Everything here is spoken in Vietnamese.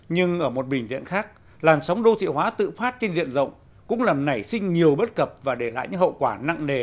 nhưng ở một bệnh viện khác làn sóng đô thị hóa tự phát trên diện rộng cũng làm nảy sinh nhiều bất cập và để lại những hậu quả nặng nề